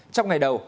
trong ngày đầu